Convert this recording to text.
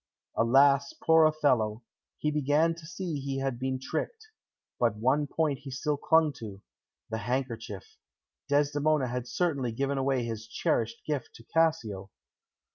Alas, poor Othello, he began to see he had been tricked. But one point he still clung to the handkerchief. Desdemona had certainly given away his cherished gift to Cassio.